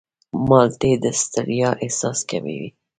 مالټې د ستړیا احساس کموي.